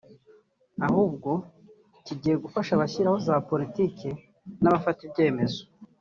ahubwo kigiye gufasha abashyiraho za Politike n’abafata ibyemezo